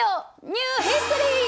ニューヒストリー！